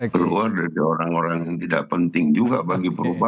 keluar dari orang orang yang tidak penting juga bagi perubahan